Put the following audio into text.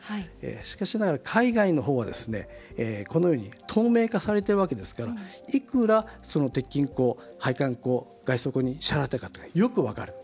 しかしながら、海外の方はですねこのように透明化されているわけですからいくら鉄筋工、配管工、外装工に支払ったかが、よく分かる。